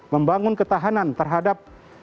membangun ketahanan terhadap kesehatan